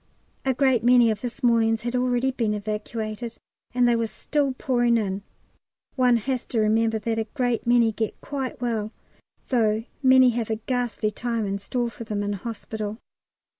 A great many of this morning's had already been evacuated, and they were still pouring in. One has to remember that a great many get quite well, though many have a ghastly time in store for them in hospital.